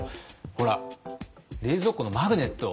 ほら冷蔵庫のマグネット。